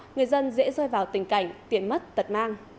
người dân dễ rơi vào tình cảnh tiền mất tật mang